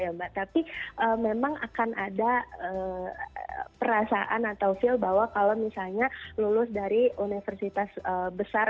ya mbak tapi memang akan ada perasaan atau feel bahwa kalau misalnya lulus dari universitas besar